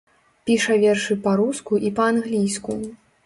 Піша вершы па-руску і па-англійску.